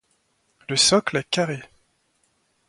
Le socle est carré.